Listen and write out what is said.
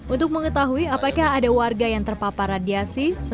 untuk mengetahui apakah ada warga yang terpapar radiasi